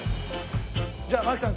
じゃあ槙さん